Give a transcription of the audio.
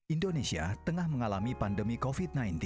indonesia tengah mengalami pandemi covid sembilan belas